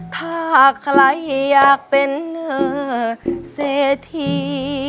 ถ้าใครอยากเป็นเศรษฐี